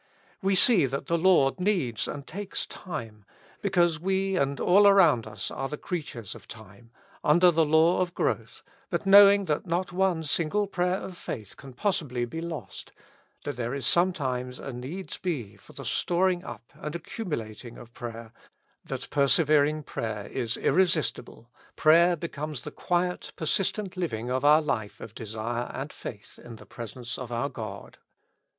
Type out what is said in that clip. We see that the Lord needs and takes time, because we and all around us are the creatures of time, under the law of growth ; but knowing that not one single prayer of faith can possibly be lost, that there is sometimes a needs be for the storing up and accumulating of prayer, that persevering prayer is irresistible, prayer becomes the quiet, persistent liv ing of our life of desire and faith in the presence of our God.